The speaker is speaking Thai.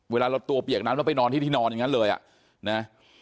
เวลาเราตัวเปียกนั้นแล้วไปนอนที่ที่นอนอย่างนั้นเลยอ่ะนะ